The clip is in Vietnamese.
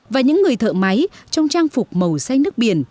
và những người thợ máy trong trang phục màu xanh nước biển